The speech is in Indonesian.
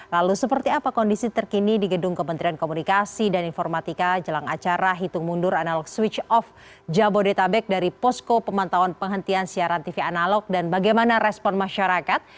lalu seperti apa kondisi terkini di gedung kementerian komunikasi dan informatika jelang acara hitung mundur analog switch off jabodetabek dari posko pemantauan penghentian siaran tv analog dan bagaimana respon masyarakat